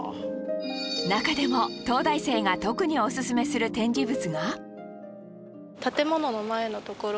中でも東大生が特にオススメする展示物が